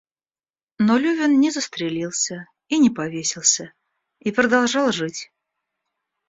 Но Левин не застрелился и не повесился и продолжал жить.